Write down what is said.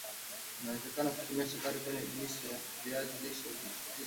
unaweza tumia Sukari kwenye juisi ya viazi lishe kisi chako